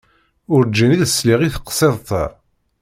Urǧin sliɣ i teqsiḍt-a.